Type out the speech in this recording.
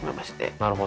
なるほど。